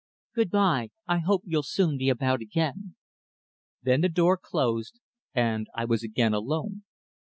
"Good bye; I hope you'll soon be about again." Then the door closed and I was again alone.